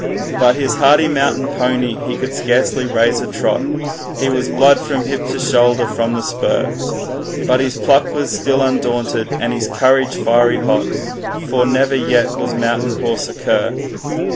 But his hardy mountain pony he could scarcely raise a trot, He was blood from hip to shoulder from the spur; But his pluck was still undaunted, and his courage fiery hot, For never yet was mountain horse a cur.